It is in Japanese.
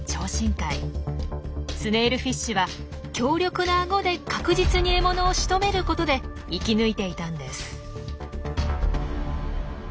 スネイルフィッシュは強力なアゴで確実に獲物をしとめることで生き抜いていたんです。